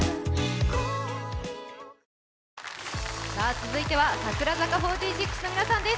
続いては、櫻坂４６の皆さんです。